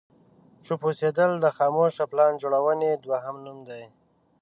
چوپ اوسېدل د خاموشه پلان جوړونې دوهم نوم دی.